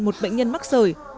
một bệnh nhân mắc sởi